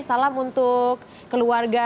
salam untuk keluarga